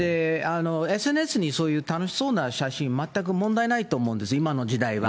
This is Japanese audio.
ＳＮＳに、そういう楽しそうな写真、全く問題ないと思うんです、今の時代は。